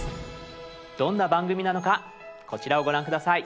どんな番組なのかこちらをご覧下さい。